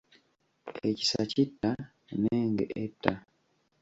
Ekisa kitta n’enge etta.